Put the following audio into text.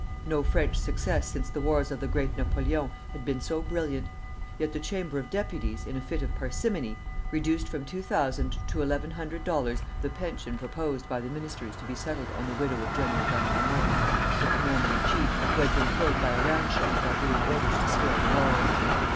No French success since the wars of the Great Napoleon had been so brilliant; yet the Chamber of Deputies, in a fit of parsimony, reduced from two thousand to eleven hundred dollars the pension proposed by the ministers to be settled on the widow of General Damremont, the commander in chief, who had been killed by a round shot while giving orders to scale the walls.